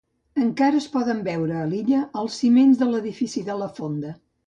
Encara es poden veure a l'illa els ciments de l'edifici de la fonda.